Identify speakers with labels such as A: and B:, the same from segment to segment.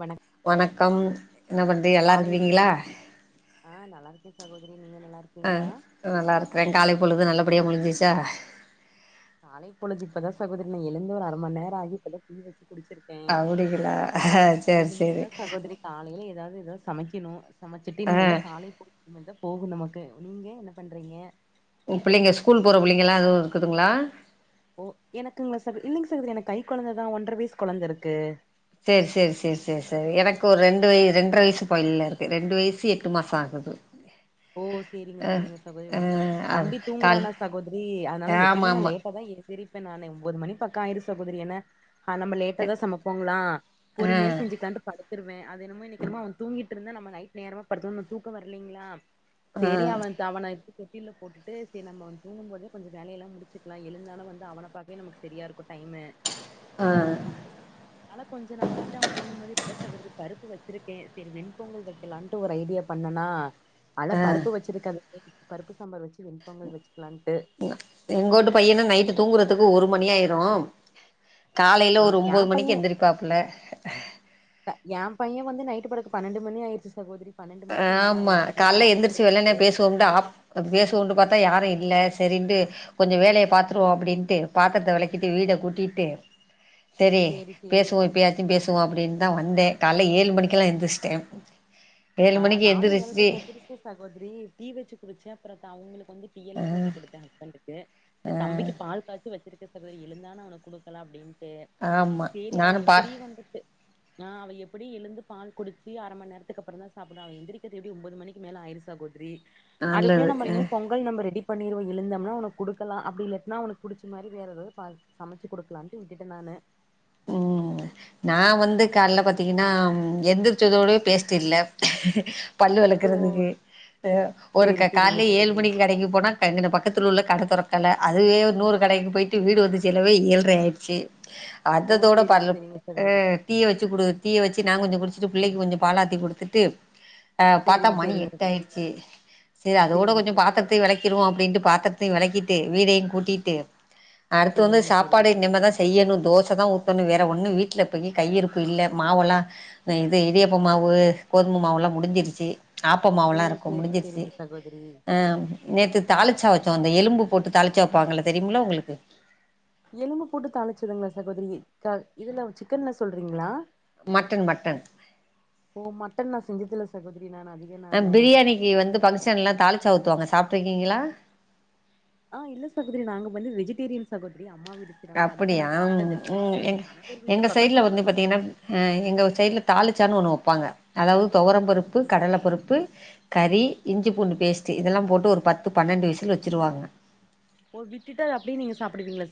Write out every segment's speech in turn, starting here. A: வணக்
B: வணக்கம் கம் என்ன பண்ணது எல்லா இருக்குவீங்களா
A: ஆஹ் நல்லா இருக்கே சாகோதரி
B: ஆஹ் நல்லா இருக்கறேன் காலை பொழுது நல்லா அப்படியே முடிஞ்சச்சா
A: காலை பொழுது இப்பதான் சகோதரனே எழுந்து ஒரு அரை மணி நேரம் ஆகி இப்பதான் டீ வச்சு குடிச்ச
B: அப்படிக்கலாஹ் சரி சரி
A: எதாவது சமைக்கணும் சமைச்சுட்டு இனிமேல் தான் காலை பொழுது இனிமேல் போதும் நமக்கு நீங்க என்ன பண்றீங்க
B: உ பிள்ளைங்க ஸ்கூல் போற பிள்ளைங்க எல்லாம் எதுவும் இருக்குதுங்களா
A: ஓ எனக்குங்களா சார் இல்லைங்க சார் எனக்கு கை குழந்தைதான் ஒன்றரை வயசு குழந்தை இருக்கு
B: சரி சரி சரி சரி சரி எனக்கு ஒரு ரெண்டு வயசு ரெண்டரை வயசு பயன் இருக்கு ரெண்டு வயசு எட்டு மாசம் ஆகுது
A: ஓ சரிங்க
B: ஆ
A: சரிங்க சகோதரி
B: ஆ
A: ஒன்
B: அது
A: தம்பி
B: கால்
A: தூங்குறானா சகோதரி அதனால
B: ஆமா
A: எப்பயுமே நான்
B: ஆமா
A: லேட்டா தான் எழுந் சிரிப்பேன் நானு ஒன்பது மணி பக்கம் ஆயிரும் சகோதரி என்ன ஆஹ் நம்ம லேட்டா தான் சமைப்போங்களாம்
B: ஆ
A: பொறுமையா செஞ்சுக்காண்டுட்டு படு தந்திடுவேன் அது என்னமோ இன்னிக்கு என்னமோ அவன் தூங்கிட்டு இருந்த நம்ம நைட் நேரம் படுத்துன்ன தூக்க வரலலைங்களா
B: ஆ
A: சரி அவன் அவனை தொட்டியில் போட்டுட்டு சரி நம்ம வந்து தூங்கும்போதே கொஞ்சம் வேலையெல்லாம் முடிச்சுக்கலாம் எழுந்தாலும் வந்து அவனை பார்க்கவே நமக்கு சரியா இருக்கும் டைம்மு அதால கொஞ்சம் நான் வந்துட்டு அவன் தூங்கும்போது ப்ப திரி பருப்பு வச்சிருக்கேன் சரி வெண்பொங்கல் வைக்கலாம்ட்டு ஒரு ஐடியா பண்ணனா அனா
B: ஆ
A: பருப்பு வச்சிருக்காது பருப்பு சாம்பார் வச்சு வெண்பங்கல் வச்சு
B: எங்கவூட்டு பையன நைட்டு தூங்குறது க்கு ஒரு மணி ஆயிரும் காலையில
A: ஆ
B: ஒரு
A: ஏ
B: ஒன்பது
A: பைய
B: மணிக்கு எந்திரிப்பாப்புல
A: படுக்குறதுக்கு பன்னெண்டு மணி ஆயிருச்சு சகோதரி பன்னெண்டு மணிக்கு
B: ஆஹ்
A: மேல
B: ஆமா
A: ஆயிருச்சு
B: காலைல
A: விளாண்டுட்டு
B: எந்திரச்சு
A: இருந்தா
B: வெள்ளன பேசுவோம் பேசுவோம் பார்த்தா யாரும் இல்லை இல்ல சரின்ட்டு கொஞ்சம் வேலையை பாத்துருவோம் அப்படின்ட்டு பாத்திரத்தை விளக்கிட்டு வீடை கூட்டிட்டு சரி
A: சேரி சேரிங்க
B: பேசுவோம்
A: சார்
B: இப்போயாச்சும் பேசுவோம் அப்படின் தான் வந்தேன் காலைல ஏழு மணிக்கெலாம் எந்துருந்துச்டே டைம்
A: ஆஹ் நானே ஏல்ரைகு எந்திர்ச்சுட்டே ஆ சகோதரி டீ வச்சு குடுச்சன அப்புற ட அவங்களுக்கு வந்து டீ எல்லாம் போட்டு கொடுத்தேன் ஹஸ்பன்டுக்கு
B: ஆ
A: தம்பிக்கு பால் காய்ச்சு வச்சிரு சகோதரி எழுந்தான் அவனை கொடுக்கலாம்ப்படின்னு
B: ஆமா நானும் பாத்
A: ஆஹ் அவை எப்படி எழுந்து பால் குடிச்சு அரை மணி நேரத்துக்கு அப்புறம் தான் அப்ப அவன் எந்திரிக்க எடி ஒன்பது மணிக்கு மேல ஆயிருசா கோடரி அதுக்குள்ள
B: நல்லது அ
A: நம்ம பொங்கல் நம்ம ரெடி பண்ணீர்வ எழுந்தோம்னா அவனக்கு குடுக்கலாம் அப்படி இலேட்டுனா அவனக்கு புடிச்ச மாதி வேற ஏதது சமைச்சு குடுக்கலாம்னுட்டு விட்டு நானு
B: உம் நான் வந்து காலைல பாத்தீங்கன்னா எந்திரிச்சதோடய பேசட்டுல பல்ு
A: சோ
B: வளர்கக்குறதுக்கு ஒரு
A: சேரி
B: கால
A: சேரிங்க
B: ஏழு
A: சகோதரி
B: மணிக்கு கடைக்குி போனால்ங்க பக்கத்தில் உள்ள கடதொர ல்ல அதுவே ஒரு நூறு கடைக்கு போயிட்டு வீடு ஒந்து செலவே இயல்ற ஆயிடுச்சு
A: ஓ
B: அதத்தோட ப
A: சேரிங்க சேரிங்க சகோதரி
B: டீய வச்சு கொடுது தீய வச்சு நாங்க கொஞ்சம் குடிச்ச [inaudible] பிள்ளைக்கு கொஞ்சம் பாலாத்தி கொடுத்துட்டு அஹ் பார்த்தா
A: சேரிங்க
B: மணி
A: சேரிங்க
B: எட்ட
A: சகோதரி
B: ஆாயடுச்சு சரி அதோட
A: சேரி
B: கொஞ்சம்
A: சேரி
B: பாத்தடுத்து விளைைக்கிறவோம் அப்படின்ட்டு ப்த்த பத்த விளக்கிட்டு வீடையும் கூட்டிட்டு அடுத்து வந்து
A: சேரிங்க சேரிங்க
B: சாப்பாடு நிமதான் செய்யணும் தான் ஊத்தணும் வேற ஒன்னும் வீட்டுல போய் கையிருப்பு இல்லை மாவெல்லாம் இது இடியப்ப மாவு கோதுமை மாவுெல்லாம் முடிஞ்சிருச்சு
A: ஓ
B: ஆப்பமாவெல்லாம் இருக்கும்
A: சேரி
B: முடிஞ்சிருச்சு
A: சேரிங்க சகோதரி
B: அஹ் நேத்து தாளிச்சா வைச்சோம் அந்த எலும்பு போட்டு தாளிச்சா வைப்பாங்கள தெரியுமுல உங்களுக்கு
A: எலும்பு போட்டு தாளிச்சதுங்களா சகோதரி இதுல சிக்கன்ல்ல சொல்றீங்களா
B: மட்டன் மட்டன்ஹ
A: ஓ மட்டன் நா செஞ்சதில்ல சகோதரி நான் அதிக நானு
B: பிரியாணிக்கு வந்து பங்க்ஷன் எல்லாம் தாலிச்சவுத்துவாங்க சார் சாப்பிட்டுறுகீங்களா
A: ஆஹ இல்ல சதிர நாங்க வந்து வெஜிட்டேரியன் சாகதிரி
B: அப்படியா உம்
A: என்
B: எங்க
A: கணவர் வீட்டு
B: எங்க
A: பக்கோ
B: சைடு்ல வந்து
A: சாப்டுவாங்க
B: பாத்தீங்கன்னா அஹ் எங்க சைடு்ல தாலிச்சான்னு ஒண்ணு வைப்பாங்க அதவு தோரம் பருப்பு கடலை பருப்பு கறி இஞ்சி பூண்டு பேஸ்ட் இதெல்லாம் போட்டு ஒரு பத்து பன்னெண்டு விசுல வச்சுிருவாங்க
A: ஒரு விட்டுட்டர் அப்படியே நீங்க சாப்பிடுவீங்களா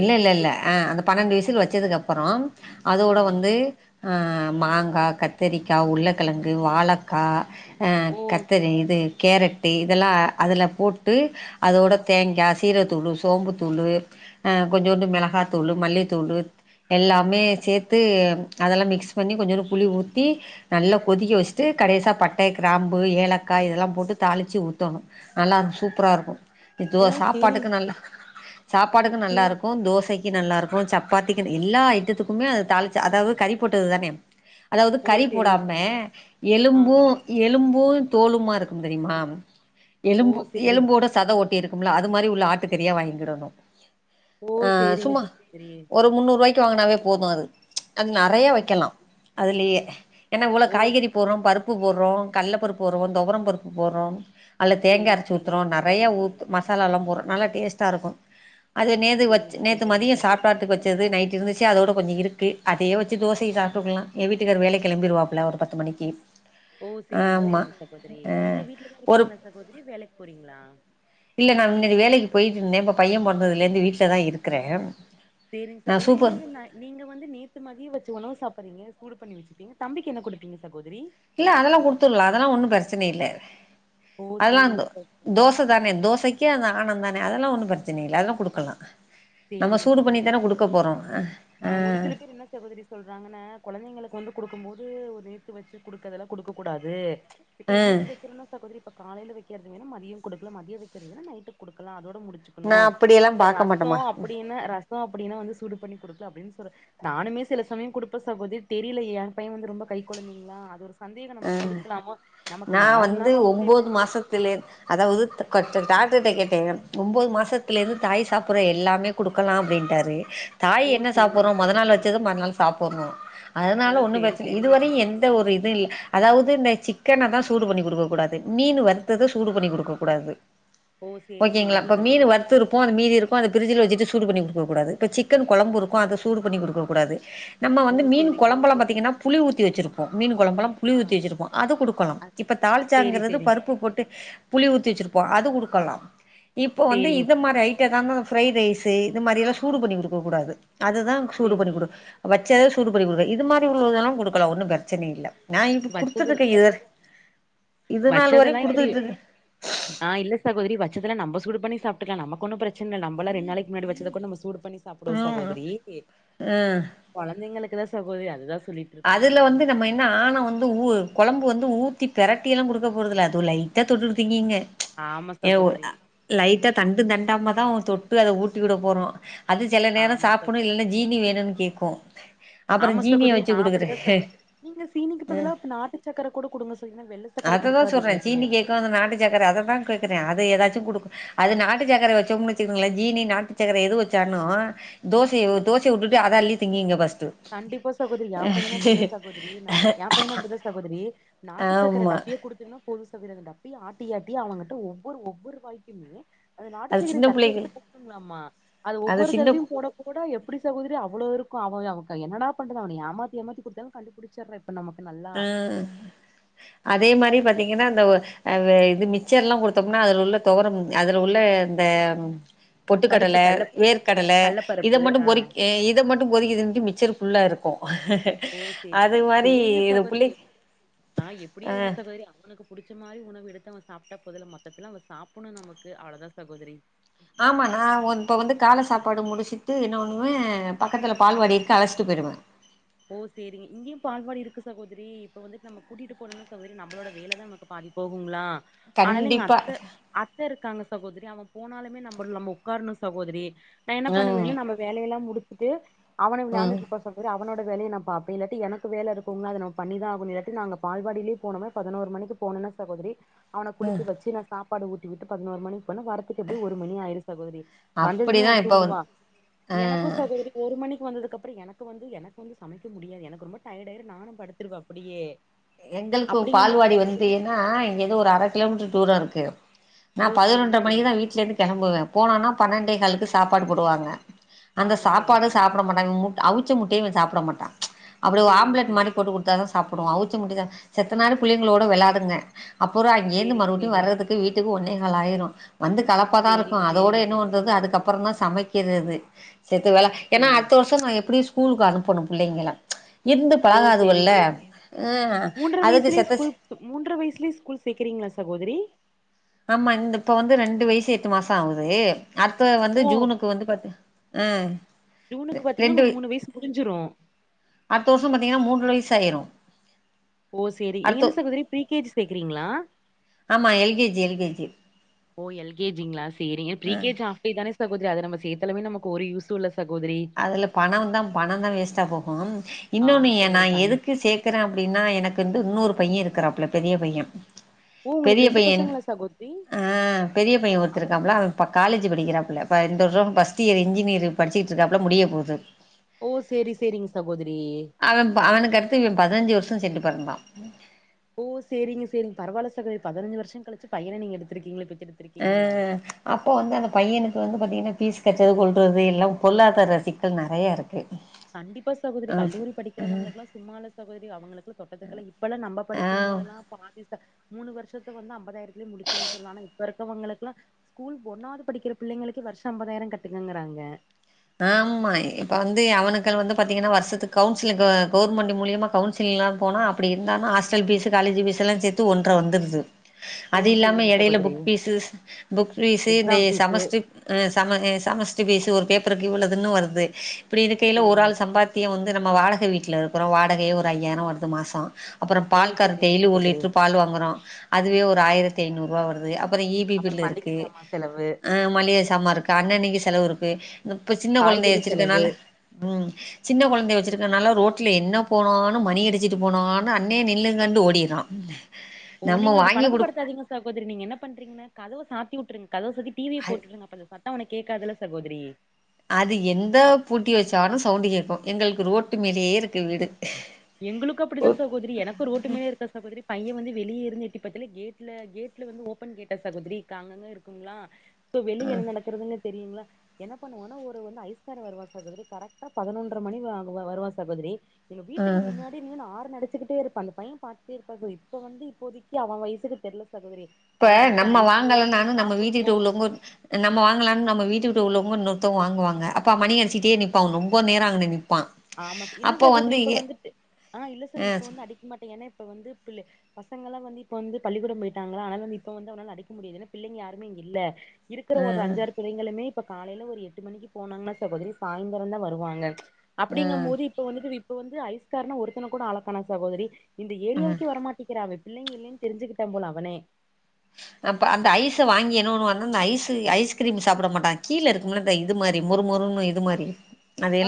B: இல்ல இல்ல இல்ல ஆஹ அந்த பன்னெண்டு வயசுல வச்சதுக்கு அப் ப்பறம்
A: ஆ
B: அதோட வந்து ஹ மாங்கா கத்திரிக்காய் உருலக்கிழங்கு வாழக்காய் ஹ
A: ஓ
B: கத்தரி இது கேரட்டு இதெல்லாம் அதில போட்டு அதோட தேங்கா சீரத்தூளு சோம்புத்தூளு ஹ கொஞ்சோண்டு மிளகாத்தூளு மல்லித்தூளு எல்லாமே சேத்து அதெலாம் மிக்ஸ் பண்ணி கொஞ்சுண்டு புளி ஊத்தி நல்லா கொதிக்க வச்சுட்டு கடைசா பட்டெ கிராம்பு ஏலக்கா இதெல்லாம் போட்டு தாளித்து ஊத்தொனு நல்லாக்கும் சூப்பராக இருக்கும் இதுவா
A: ஓ சேரிங்
B: சாப்பாட்டுக்கு நல்ல சாப்பாடுக்கு நல்லா
A: சேரி
B: இருக்கும் தோச நல்லா இருக்கும் சப்பாத்திக் எல்லா ஐட்டத்துக்குமே தாளிச்ச அதாது கறி போட்டது தானே அதாவது
A: ஓ
B: கறி
A: சேரிங்க
B: போடாம
A: சார் ஆ
B: எலும்பும் எலும் பூவும் தோலமா இருக்கு தெரியுமா
A: ஓ
B: எலும்பு
A: சேரிங்
B: எலும்போட சத ஓட்டி இருக்கு இருக்கும்ல அது மாரி உள்ள ஆட்டு கறியா வாங்கிடணும்
A: ஓ சேரிங்க சகோதரி
B: வாங்கினாவே போதும் அது அது நெறய வக்கலாம் அதுலயே என்ன இவ்ளோ
A: ஓ
B: காய்கறி போட்றோம் பருப் பருப்பு போடுறோம் கள்ள பருப்பு போடுறோம் தொவரம் பருப்பு போடுறோம் அதுல்ல தேங்கா
A: சேரிங் சேரிங்க
B: அரச்சிஊத்றோம் நெறய
A: சகோதரி
B: ஊத்த மசாலாம் போடுறோம் நல்லா டேஸ்ட்டா இருக்கும் அது நேத்து வச்ச
A: சேரிங்க
B: நே
A: சேகரிங்க
B: மதியம்
A: சகோதரி
B: சாப்பாட்டுக்கு வச்சது நைட் இருந்துச்சு அதோட கொஞ்சோ இருக்கு அதயே வச்சு தோசய சாட்டுக்கலாம் என் வீட்டுக்காரு வேலக்கி கிளம்பிடுவாப்புல ஒரு பத்து மணிக்கு
A: ஓ செரிங்க
B: ஆமா
A: செரிங்க சகோதரி
B: ஆ
A: நீங்க வீட்லதான்
B: ஒரு
A: இருப்பீங்களா சகோதரி வேலைக்கு போறீங்களா
B: பையன் பொறந்தது ல இருந்து வீட்லதான் இருக்குறேன்
A: சேரிங்க சகோதரி நீங்க நீங்க வந்து நேத்து மதியம் வச்ச உணவ சாப்பிடுறீங்க சூடு பண்ணி வச்சிப்பிங்க தம்பி என்ன குடுப்பீங்க சகோதரி
B: இல்ல அதெலாம் குடுத்துடலாம் அதெல்லாம் ஒண்ணும் பிரச்சன பிரச்சன இல்ல
A: ஓ
B: அதெலாம்
A: சேரிங்க சகோதரி
B: தோச தானே தோசைக் க ஆனந்தானே அதெலாம் ஒண்ணும் பிரச்சன இல்ல அதெல்லாம் குடுக்கலாம்
A: சேரிங்க சகோதரி நா ஒரு ஆ
B: அ
A: ஒரு சில பேர் என்ன சகோதரி சொல்றாங்கன்ன கொழந்தைங்களுக்கு வந்து குடுக்கும் போது வந்து ஒரு நேத்து வச்சு குடுக்கறதெல்லாம் குடுக்க கூடாது இப்ப
B: அ
A: இன்னைக்கு வக்கிறோன்ன சகோதரி காலயில வக்கிறது மதியம் குடுல மதியம் வக்கிறது நைட்டு் குடுக்கலா அதோட
B: நா
A: முடிச்சுக்கணும்
B: அப்படியெல்லா
A: இந்த ர
B: பாக்க மாட்டமா
A: ரசோம் அப்டின்னு ரசோம் அப்டின்னா வந்து சூடு பண்ணி குடுத்து அப்டின்னு சொல்றே நானுமே சில சமயம் குடுப்ப சகோதிரி தெரியல என் பையன் வந்து ரொம்ப கை கொழந்தீங்களா அது ஒரு சந்தேகம்
B: அ
A: நமக்கு குடுக்கலாமோ நமக்கு
B: நான்
A: நார்மலா
B: வந்து
A: நமக்கு இப்ப
B: ஒம்போது மாசத்தில அதாவது டாக்டர்கிட்ட கேட்டே ஒன்பது மாசத்துலருந்து தாய் சாப்டுற எல்லாமே குடுக்கலாம் அப்டின்டாரு தாய்
A: ஓ
B: என்ன
A: சேரிங்க
B: சாப்டுறோம் மொத நாள்
A: சகோதரி
B: வச்சத மறுநாள் சாப்ட்றோம்
A: ஓ
B: அதனால ஒண்ணும்
A: சேரி
B: பிரச்சன
A: சேரிங்க ச
B: இதுவரையும் எந்த ஒரு இது இல்ல அதாவது இந்த சிக்கன தான் சூடு பண்ணி குடுக்க கூடாது மீன் வறுத்தத சூடு பண்ணி குடுக்க கூடாது
A: ஓ சேரி
B: ஓகேங்களா
A: சேரிங்க
B: இப்ப மீன்
A: சகோதரி
B: வறுத்து இருப்போம் அந்த மீதி இருக்கும் அத பிரிட்ஜில வச்சுட்டு சூடு பண்ணி கொடு குடுக்க கூடாது இப்ப சிக்கன் கொழம்பு இருக்கும் அத சூடு பண்ணி குடுக்கக் கூடாது நம்ம
A: ஓ
B: வந்து
A: சேரிங்க
B: மீன்கொழம்பெல்ல பாத்தீங்கன்னா புளி வச்சுிருப்போ மீன் குழம்பு புளி
A: ஆ
B: ஊத்தி வச்சிருப்போம் அதை கொடுக்கலாம் இப்ப
A: சேரி
B: தாளிச்சாங்கறிறது
A: சேரி
B: பருப்பு போட்டு புளி ஊத்தி வச்சிருப்போம் அது கொடுக்கலாம் இப்போ வந்து
A: சேரிங்க
B: இந்த மாதிரி ஐ கிட்ட தான பிரப்ரைட ரைஸ் இந்த மாதிரி சூடு பண்ணி கொக்கூடாது அததுதான்
A: சே
B: சூடு பண்ணிக்க கொடு வச்சதது சூடு பனி கொடுக்க இது மாதிரி உள்ளதெல்லாம்டுக்கலாம் ஒன்னும் பிரச்சனை இல்லை நான் இப்ப
A: வச்சது
B: குடுடுத்தருக்க இரு
A: வச்சதெல்லாம் இப்படி ஆஹ் இல்ல சகோதரி வச்சதெல்லாம் நம்ம சூடு பன்னி சாப்டுபிக்கல நம்ம க்கு ஒன்னும் பிரச்சனை இல்ல நம்மல்லா ரெண்டுளைக்கு முன்னடிச்ச சூடு பண்ணி சாப்பிடுவோ
B: ம்
A: சகோதரி
B: ஆ
A: குழந்தைங்களுக்குதான் சகோதரி அந்து
B: அதுல வந்து நம்ம என்ன ஆணை வந்து ஊ குழம்பு வந்து ஊத்தி பெரட்டியெல்லாம் கொடுக்க போறதல அதுவும் லைட்டாக தொட்டு த்தீங்கீங்க
A: ஆமா
B: ஏ
A: சகோதரி
B: லைட்டா தண்டு தண்டாம தான் தொட் ப்ப அதை ஊட்டி விட போறோம் அது சில நேரம்
A: ஆமா ச
B: சாப்பிடணும் இல்லைன்னா ஜீனி வேணும்ன்னு கேட்கும் அப்புறம் ஜீனிய வச்சு
A: நான் அப்படித்தான் ச நீங்க
B: ம்
A: சீனிக்குப்பதெல்லாம் இப்ப நாட்டு சக்கரை கூட கொடுங்க சொல்லீன்னா வெள்ளை சக்கரை
B: அததா சொல்றே
A: கொடுக்காதீங்கப்பய
B: சீனி கேக்கு கொடுக்கும் அது நாட்டு சரை வச்சம்னு வச்சோம்னு வச்சிங்களே ஜீனி நாட்டுசக்கரை து வச்சாளும் தோசை தோசை விட்டு அத அல்லி திங்கிங்க
A: கண்டிப்பா ச குதரியியா பையன அப்புடிதான் சகோதரி என் பையன் அப்படித்தான் சகோதரி நாட்டுச்சக்க
B: ஆமா
A: டப்பியே குடுத்துனும் பொது சவிர அப்பி ஆட்டிாட்டி அவங்க்டிட்ட ஒவ்வொரு ஒவ்வொரு வாய்க்குமே அது நாட்டுச்சேகரை
B: சின்ன
A: தட்ட
B: பிள்ளைகள்
A: எடுத்து போகணுலாமா அது ஒவ்வொரு தடவையும் போட கூட எப்படி சகோதரி அவ்வளோ இருக்கும் அவய என்னடா பண்து அவ ஏமாத்த ஏமாி குடுத்த கிடிச்ச
B: ஆஹ் அதே மாதிரி ப பாத்தீங்கன்னா இந்த இது மிச்சர் எல்லாம் கொடுத்தோம்னா அதுல உள்ள துவரம் அதுல உள்ள இந்த
A: பருப்பு
B: பொட்டுக்கடலை
A: கல்ல
B: வேர்க கடலை
A: கல்ல
B: இதை
A: பருப்பு
B: மட்டும்
A: ஆ
B: பொறிக்க இதை மட்டும் பொறிக்கதுட்டு மிச்சர் ஃபுல்லா இருக்கும் அது மாதிரி
A: ஆஹ் எப்படியே ஒண்ணு சகோதரி அவனுக்கு புடிச்ச மாரி உணவு அவன் சாப்பிட்டா போதுதல மொத்தத்துல அவன் சாப்பிடணும் நமக்கு அவ்வளவுதான் சகோதரி
B: ஆமா நான் இப்ப வந்து கால சாப்பாடு முடிச்சிட்டு இன பண்ணுவேன் பக்கத்துல பால்வடி இருக்கு அழைச்சிட்டு போயிடுவேன்
A: ஓ சரிங்க இங்கேயும் பால்வாடு இருக்கு சகோதரி இப்ப வந்துட்டு நம்ம கூட்டிட்டு போனோம்னா சகோதரி நம்மளோட வேலைதான் நமக்கு பாதி போகுங்களா ஆனால இங்க
B: கண்டிப்பா
A: அத்த அத்த இருக்காங்க சகோதரி அவன் போனாலுமே நம்ம நம்ம உட்காரணும் சகோதரி நான் என்ன
B: ம்
A: பண்ணுவேன்னு நம்ம வேலையல்லாம் முடிச்சு ட்டு அவனு
B: ம்
A: விளாண்டட்டு இருப்பான் சகோதரி அவனோட வேலயும்நான் பாப்பே அப்டி இல்லாடி எனக்கு வேலை இருக்குோங்களா அத நம்ப பண்ணிதான் அகவும் இல்லாட்டி நாங்க பால்பாடியிலய போனோனா பதினரு மணிக்கு போனன்னா சகோதரி அவனை குளித்து வச்சு நான் சாப்ப பாடு உட்டிவிட்டு பதினோரு மணி வரத்துக்கு எப்படி ஒரு மணி ஆயிருும் சகோதரி வந்ததுமே
B: அப்படிதா இப்ப வந்
A: தூங்குவா எனக்கும்
B: ஆ
A: சகோதரி ஒரு மணிக்கு வந்ததுக்கு அப்புறம் எனக்கு வந்து எனக்கு வந்து சமைக்க முடியாது எனக்கு ரொம்ப டயட் ஆயிரு நானும் படுத்துடுவேன் அப்படியே
B: எங்களுக்கு
A: அப்படிங்கும்போது
B: பால்வாடி
A: சகோதரி நான்,
B: வந்துன்னா இங்க ஏதோ ஒரு அரை கிலோமீட்டர் டூரம் இருக்கு
A: ஓ
B: நான்
A: சேரிங்க
B: பதினொன்றுரை
A: சேரிங்க
B: மணிதான் வீட்ல
A: சகோதரி
B: இருந்து கிளம்புவேன் போனனா பன்னெண்டை காலக்கு சாப்பாடு போடுவாங்க அந்த
A: ஆமா
B: சாப்பாடு
A: சகோதரி
B: சாப்பிட மாட்டான் மு அவுச்ச முட்டையும் சாப்பிட மாட்டாங்க அப்படிய
A: சேரிங்க
B: ஆம்லட் மாரி போட்டு கொடுத்தா தான் சாப்பிடுவ அவிச்ச முட்டதா செத்த நேர பிள்ளைங்களோட விளையாதுங்க அப்புறம் அங்கேந்து
A: சேரி
B: மறுபடியும்
A: சேரிங்க
B: வரதுக்கு வீட்டுக்கு ஒன்னே நல்லாயிரும் வந்து கலப்பா
A: சேரிங்க
B: தான்
A: சேரிங்க
B: இருக்கும் அதோட
A: சேரிங்க சகோதரி
B: என்னன்றறது அதுக்கப்புறம் தான் சமைக்க இருக்கிறது சேத்து வேல ஏன்னா
A: சேரி
B: அடுத்த வருஷம் நான் எப்படி ஸ்கூலுக்கு அனுப்பனும் புள்ளைங்கள ச் இருந்து
A: ஓ சேரி
B: பழகாதுவல்ல
A: சேரி மூன்ற வயசுலயே ஸ்கூல் மூன்ற வயசுலேயே ஸ்கூல் சேக்கறீங்களா சகோதரி
B: ஆமா இந்த இப்ப வந்து ரெண்டு வயசு எட்டு மாசம் ஆவுது அடுத்த வந்து
A: ஓ
B: ஜூனுக்கு வந்து பத்து
A: ஜூனுக்கு பாத்தீங்கன்னா
B: ரெண்டு
A: உங்களுக்கு மூணு வயசு முடிஞ்சிரு
B: அடுத்த வருஷம் பாத்தீங்கன்னா மூன்ற வயசு சாயிரும்
A: ஓ சேரி எங்க என்ன சகோதரி ப்ரீ கேஜி சேக்கறீங்களா
B: ஆமா எல்கேஜி எல்கேஜி
A: ஓ எல்கேஜி கிளாஸ் சேரிங்க பிரீகேஜ் ஆப்டே தானே அது நம சேத்தாலே நமக்கு ஒரு யூஸ்சுல்ல
B: அதுல பணம் வந்தா பணம் தான் வேஸ்ட்டா போகும் இன்னொன்னு
A: ஆமா சகோதரி
B: நான்
A: கண்
B: எதுக்கு சேக்குறேன் அப்படின்னா எனக்கு வந்து இன்னொரு பையன் இருக் இருக்கறாப்புல பெரிய பையன்
A: ஓ உங்களுக்கு
B: பெரிய
A: ரெண்டு
B: பையன்
A: பசங்களா சகோதரி
B: பெரிய பையன்
A: அவர்
B: ஒருத்தருக்காப்ல காலேஜ் படிக்கிறாப்புள்ள இந்தவருஷம் பர்ஸ்ட் இயர் இன்ஜினியர் படிச்சிட்டு றாப்ல முடிய போது
A: ஓ சேரி சேரிங்க சகோதரி
B: அவன் அவனுக்கடுத்து இவன் பதினஞ்சு வருஷம் சென்டு பிறந்தான்
A: ஓ சேரிங்க சேரிங்க பரவால்ல சகோதரி பதினஞ்சு வருஷம் கழிச்சு பையனை நீங்க எடுத்திருக்கீங்களே பெத்தெடுத்திருக்கீங்கள
B: அஹ் அப்போ வந்து அந்த பையனுக்கு வந்து பாத்தீங்கன்னா பீஸ் கட்டறது கொள்றது எல்லாம் பொருளாதார சிக்கல் நெறையா இருக்கு
A: கண்டிப்பா சகோதரி கல்லூரி படிக்கிறவங்களுக்குல்லாம் சும்மால சகோதரி அவங்களுக்குல்லாம் தொட்டத்துக்கெல்லாம் இப்பெல்லாம் நம்ம
B: ஆ
A: படிக்கும்
B: ஆ
A: போதெல்லாம் பாதி மூணு வருஷத்து வந்து ஐம்பதாயி முடிச்சோன்னு சொல்லா ஆன இப்ப இருக் இப்பருக்குறவங்களுக்கு எல்லாம் ஸ்கூல் ஒன்னாவது படிக்கிற பிள்ளைங்களுக்கே வருஷம் ஐம்பதாயிரம் கட்டுங்கறாங்க
B: ஆமா இப்ப வந்து அவனுக்க வந்து பாத்தீங்கன்னா வருஷத்துக்கு கவுன்சிலிங் கவுவர்மெண்ட் மூலியமா கவுன்சிலிங் எல்லாம் போனா அப்படி இருந்தலும் ஹாஸ்டல் பீஸ்ஸு காலேஜ் பீஸ் எல்லாம் சேர்த்து ஒன்ற வந்துருது
A: ஓ
B: அது இல்லாம
A: சேரிங்க
B: இடையில
A: சகோதரி
B: புக் பீஸ்சு புக் பீஸ்சு இந்த
A: எக்ஸாம் ஃபீஸு
B: சமஸ்டர் ஆ சமஸ்டர் பீஸ்சு ஒரு பேப் பிறகு இவ்வள்ளதுன்னு வருது இப்படி இருக்கையில ஒரு
A: சேரிங்க
B: ஆள் சம்பாத்தியம் வந் நம்ம வாடகை வீட்டுல இருக்குறோம் வாடகையே ஒரு ஐயாயிரம் வருது மாசம் அப்புறம்
A: ஓ
B: பால்கார்
A: சேரிங்க
B: டெய்லியும் ஒரு
A: சகோதரி
B: லிட்ரு பால் வாங்குறோம் அதுவே ஒரு ஆயிரத் ஐநூறுவா வருது அப்புறம் ஈபி
A: அப்புறம்
B: பில்லு
A: மளிக
B: இருக்கு
A: ஜாமா செலவு
B: மளிகசாமான் இருக்கு அன்னனைக்கு செலவு இருக் [unintelligible] இப்ப சின்ன கொழந்தைய
A: காய்கறி செலவு
B: வச்சிருக்கனால உம் சின்ன கொழந்தை வச்சிருக்கனால ரோட்ல என்ன போனான்னு மணி அடிச்சுட்டு போனான்னு அண்ணே நில்லுங்கண்டு ஓடிறான்
A: ஓ நீங்க அப்டி பழக்கப்படுத்தாதீங்க சகோதரி நீங்க என்ன பண்றீங்கன்னா கத சாத்தி விட்டுருங்க கதவசாத்தி டிவிய
B: அ
A: போட்டுக்கங்க சத்தம் கேக்காதுல சகோதிரி
B: அது எந்த பூட்டி வச்சாலும் சவுண்டு கேட்க எங்களுக்கு ரோட்டு மேலேயே இருக்கு வீடு
A: எங்களுக்கு அப்டிதான் சகோதரி எனக்கு ரோட்டுமேலே இருக்க சகோதரி பையன் வந்து வெளிய இருந்து எட்டி பக்கத்துல கேட்ல கேட்ல வந்து ஓபன் கேட்டா சகோதரி அங்கங்க இருக்குங்களா சோ வெளிய என்ன நடக்குறதுனு தெரியங்களா என்ன பண்ணுவா ஒரு வந்து ஐஸ்க வருவ சகோதரி கரெக்டபதினொன்றமணி வ வருவ சகோதரி
B: ஆ
A: வீட்டுக்கு முன்னாடி நின்னு ஆறன்னடிச்சி பாத்க்ட்டே இருப்ப அந்த பைய பாத்துகட்டேஇருப்ப இப்ப வந்து இப்போதிக்கு அவன் வயசுகு தெரியில ச
B: இப்ப நம்ம வாங்கலானலும் நம்ம
A: சாப்புட்ணு
B: வீட்டுக்கிட்டஉள்ளவங்க நம்ம வாங்கலானலும்நம்ம வீட்டுக்கிட்ட உள்ளவங்க நூ நூத்தம் வாங்குவாங்க கா மணியடிச்சிட்டே நிப்பகா ரொம்ப நேர [unintelligible]
A: ஆம்மா ச இல்லசகோதரி இப்ப வந்துட்டுஆ இல்ல
B: ஆ
A: சவந்து அடிக்க மாட்டே ஏன்னா இப்ப வந்து பிள பசகலவந்துயிப்ப வந்து பள்ளிக்கூடம் போயிட்டாங்களா ஆனால வந்து இப்ப வந்து அவாகலடிக்க முடியாதுன்ன பிளங்க யாமே இங்க இல்ல இருகிற ஒரு அஞ்சுஆறு பிள்ளகளுமே இப்ப காலையில ஒரு எட்டு மணிக்கு போனாங்க சகோதரி சாய்ந்தரம் தா வருவாங்க
B: ஆ
A: அப்டிங்கும்
B: ஆ
A: போது இப்ப வந்துட்டு இப்ப வந்து ஐஸ்காரன ஒருத்தன கூட ஆளக்கனோ சகோதரி இந்த
B: ம்
A: ஏரியாவுக்கே வரமாட்டிக்கிறா பிள்ளங்க இல்லன்னு தெரிஞ்சுக்கிட்ட போல அவனே
B: ஹா அப்ப அந்த ஐஸ்ச வாங்கினணு அந்த ஐஸ்ச ஐஸ்கிரீம் சாப்பிட மாட்டங்க கீழ இருக்குன்னு அந்த இது மாரி மொறுமொறுன்னு இது மாரி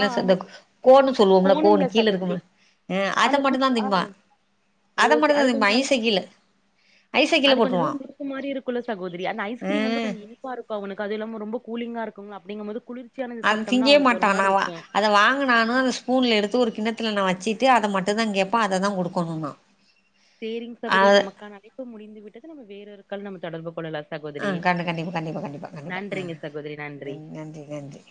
A: ஆ ஆமா
B: செத்த
A: ச-
B: கோன்னு சொல்லுவோம்மல
A: கோணுங்களா
B: கோன்னு
A: சகோதரி
B: கீலயிருக்குமே அத
A: அந்த
B: மட்டுதா
A: குத் ஆ
B: தின்பா
A: ஓ
B: அத
A: சரி,
B: மட்டுதா
A: அது கொஞ்ச நல்லா
B: திபஐச கீலஐசகீல போட்டுருவா
A: க்குமாரி இருக்குலோ சகோதரி அந்த ஐஸ்கீரிம் வந்து கொஞ்ச இனிபா இருக்குஅவனுக்கு அது இல்லாம ரொம்ப ம்ப கூலிங்கா இருக்கு அப்டிங்கபோது குளிர் சியனத சாப்போடோன அவனுக்கு ஒருமாரி இருக்
B: ஹ அத வாங்கனானுஅந்த ஸ்பூன் எடுத்து ஒரு கிண்ணத் துல வச்சிட்டு அத மட்டுமதா கேட்பா அத தா குடுக்கணுனா
A: சேரிங் சகோதரி நமக்கான அழைப்பு முடிந்து விட்டது நம வேறொறு கல் நம தொடர்பு கொலல
B: ஆஹ கண்ணகண்டிபா கண்டிபா கண்டிபா கண்டிபா ஆஹ
A: நன்றிங்க சகோதரி
B: நன்றி நன்றி